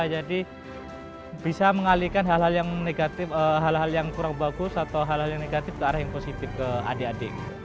jadi bisa mengalihkan hal hal yang negatif hal hal yang kurang bagus atau hal hal yang negatif ke arah yang positif ke adik adik